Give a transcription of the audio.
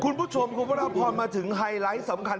คุณผู้ชมคุณพระราพรมาถึงไฮไลท์สำคัญ